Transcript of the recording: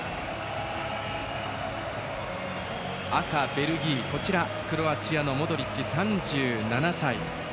赤、ベルギークロアチアのモドリッチ、３７歳。